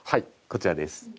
こちらです。